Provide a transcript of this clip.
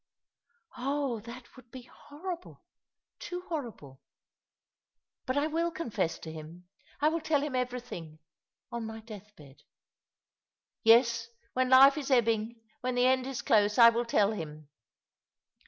"Oh, that would be horrible — too horrible. But I will confess to him ; I will tell him everything — on my death bed. Yes, when life is ebbing, when the end is close, I will tell him.